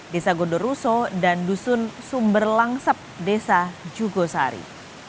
desa gondoruso dan dusun sumberlangsep desa jugosari